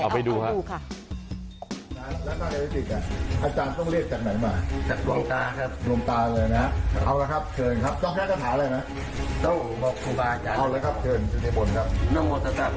เอาไปดูคะ